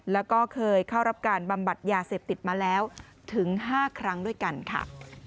แล้วก็เคยเข้ารับการบำบัดยาเสพติดมาแล้วถึง๕ครั้งด้วยกันค่ะ